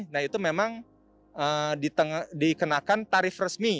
nah itu memang dikenakan tarif resmi